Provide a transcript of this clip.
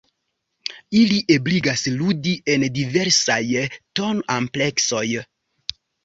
Ili ebligas ludi en diversaj ton-ampleksoj.